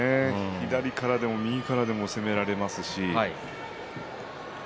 左からでも右からでも攻められますし。